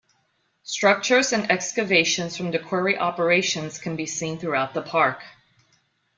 Structures and excavations from the quarry operations can be seen throughout the park.